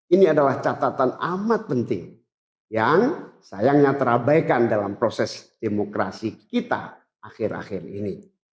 ini adalah catatan amat penting yang sayangnya terabaikan dalam proses demokrasi kita akhir akhir ini